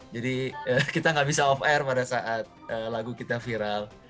jadi kita enggak bisa off air pada saat lagu kita viral